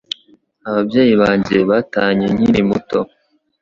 Ababyeyi banjye batanye nkiri muto